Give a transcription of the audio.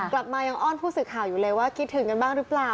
กลับมายังอ้อนผู้สื่อข่าวอยู่เลยว่าคิดถึงกันบ้างหรือเปล่า